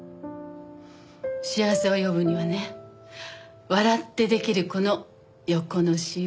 幸せを呼ぶにはね笑ってできるこの横のシワ。